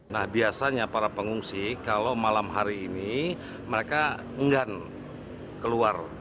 nah biasanya para pengungsi kalau malam hari ini mereka enggan keluar